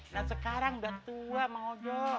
dan sekarang udah tua bang ojo